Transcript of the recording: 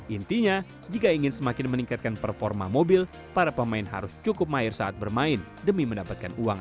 intinya jika ingin semakin meningkatkan performa mobil para pemain harus cukup mahir saat bermain